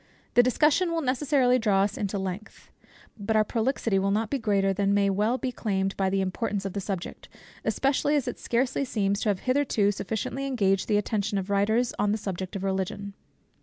The discussion will necessarily draw us into length. But our prolixity will not be greater than may well be claimed by the importance of the subject, especially as it scarcely seems to have hitherto sufficiently engaged the attention of writers on the subject of Religion.